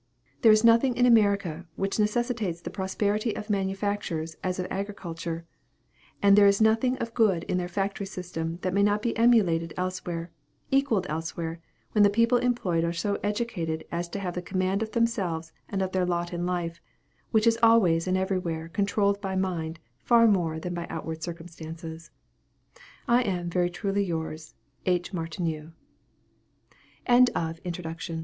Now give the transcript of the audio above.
There is nothing in America which necessitates the prosperity of manufactures as of agriculture, and there is nothing of good in their factory system that may not be emulated elsewhere equalled elsewhere, when the people employed are so educated as to have the command of themselves and of their lot in life, which is always and everywhere controlled by mind, far more than by outward circumstances. I am very truly yours, H. MARTINEAU. [Illustration: Decoration] MIND AMONGST THE SPINDLES. ABBY'S YEAR IN LOWELL. CHAPTER I. "Mr.